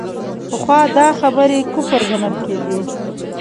پخوا دا خبرې کفر ګڼل کېدې.